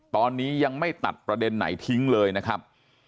ตอนนี้ยังไม่ตัดประเด็นไหนทิ้งเลยนะครับ